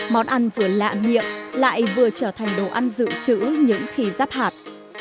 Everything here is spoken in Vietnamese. món ăn vừa lạ nghiệm lại vừa trở thành đồ ăn dự trữ những khi giáp hạt